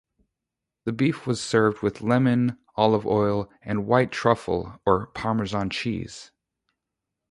The beef was served with lemon, olive oil, and white truffle or Parmesan cheese.